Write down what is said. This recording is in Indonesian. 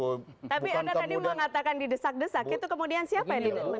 tapi anda tadi mengatakan didesak desak itu kemudian siapa ini